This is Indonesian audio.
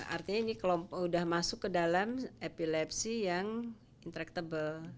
artinya ini sudah masuk ke dalam epilepsi yang intractable